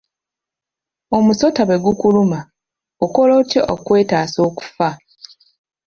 Omusota bwe gukuluma okola otya okwetaasa okufa?